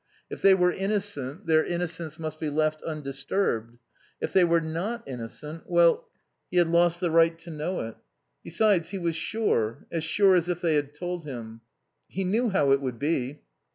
If they were innocent their innocence must be left undisturbed. If they were not innocent, well he had lost the right to know it. Besides, he was sure, as sure as if they had told him. He knew how it would be.